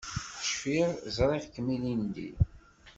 Cfiɣ ẓriɣ-kem ilindi.